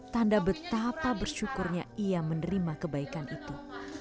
tanda betapa bersyukurnya ia menerima kebaikan itu